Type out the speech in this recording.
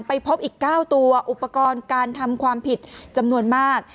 พบอีก๙ตัวอุปกรณ์การทำความผิดจำนวนมาก